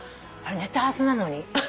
寝たはずなのに。